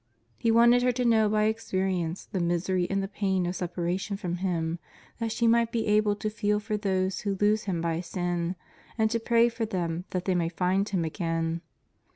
He wanted her to know by experience the misery and the pain of separation from Him, that she might be able to feel for those who lose Him by sin, and to pray for them that they may find Him again.